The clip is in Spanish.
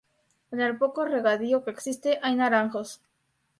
En el poco regadío que existe hay naranjos.